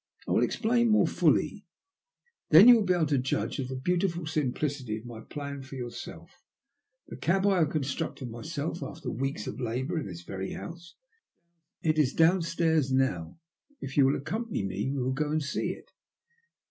I will explain more fully, then you will be able to judge of the beautiful simplicity of my plan for yourself. The cab I have constructed myself after weeks of labour, in this very house ; it is downstairs now ; if you will accompany me we will go and see it."